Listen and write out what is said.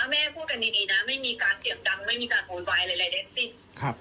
แม่พูดกันดีนะไม่มีการเสียงดังไม่มีการโวยวายอะไรทั้งสิ้น